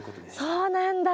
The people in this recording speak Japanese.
そうなんだ。